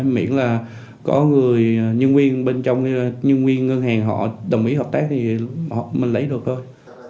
miễn là có người nhân viên bên trong nhân viên ngân hàng họ đồng ý hợp tác thì mình lấy được thôi